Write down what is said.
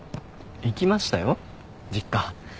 行きましたよ実家。